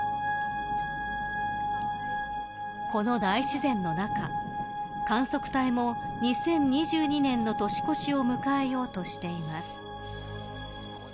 この大自然の中、観測隊も２０２２年の年越しを迎えようとしています。